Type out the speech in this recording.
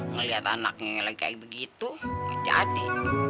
melihat anaknya lagi kayak begitu jadi